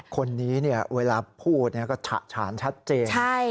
คนนี้เวลาพูดก็ฉะฉานชัดเจน